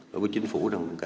đối với chính phủ